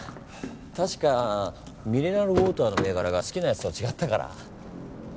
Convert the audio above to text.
確かミネラルウオーターの銘柄が好きなやつとは違ったから？